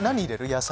野菜。